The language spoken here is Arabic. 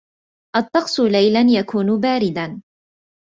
الطقس ليلاً يكون بارداً